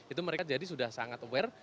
itu mereka jadi sudah sangat aware